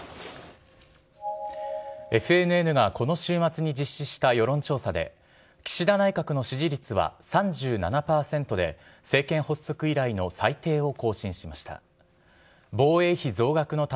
ＦＮＮがこの週末に実施した世論調査で、岸田内閣の支持率は３７％で、政権発足以来の最低を更新しました。